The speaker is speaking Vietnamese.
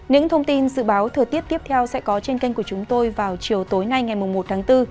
những thông tin dự báo thời tiết tiếp theo sẽ có trên kênh của chúng tôi vào chiều tối nay ngày một tháng bốn